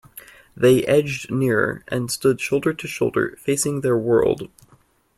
They edged nearer, and stood shoulder to shoulder facing their world.